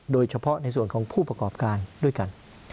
โดยเฉพาะในส่วนของผู้ประกอบการด้วยกัน